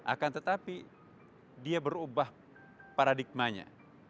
akan tetapi dia berubah paradigmanya